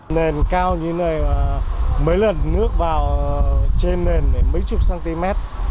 nền cao như thế này mấy lần nước vào trên nền mấy chục cm